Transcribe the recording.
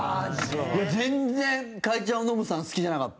全然、代えちゃうノムさん好きじゃなかった。